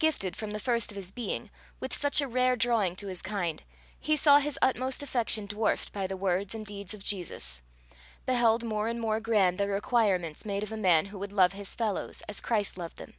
Gifted, from the first of his being, with such a rare drawing to his kind, he saw his utmost affection dwarfed by the words and deeds of Jesus beheld more and more grand the requirements made of a man who would love his fellows as Christ loved them.